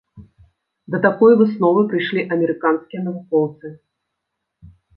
Да такой высновы прыйшлі амерыканскія навукоўцы.